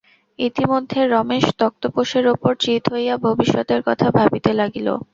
ইতিমধ্যে রমেশ তক্তপোশের উপর চিত হইয়া ভবিষ্যতের কথা ভাবিতে লাগিল।